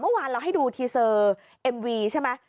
เมื่อวานเราให้ดูทีเซอร์เอ็มวีใช่ไหม